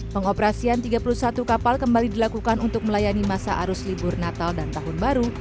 pengoperasian tiga puluh satu kapal kembali dilakukan untuk melayani masa arus libur natal dan tahun baru